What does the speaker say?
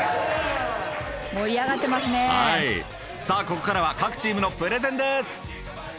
さあここからは各チームのプレゼンです。